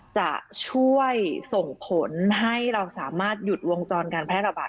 จะช่วยส่งผลให้เราสามารถหยุดวงจรการแพร่ระบาด